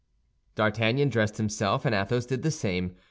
D'Artagnan dressed himself, and Athos did the same.